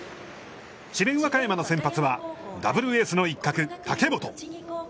和歌山の先発はダブルエースの一角武元。